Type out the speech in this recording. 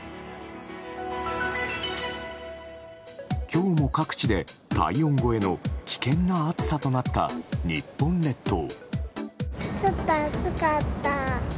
今日も各地で、体温超えの危険な暑さとなった日本列島。